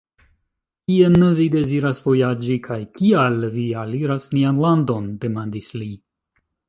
Kien vi deziras vojaĝi, kaj kial vi aliras nian landon? demandis li.